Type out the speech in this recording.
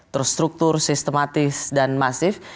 terstruktur sistematis dan masif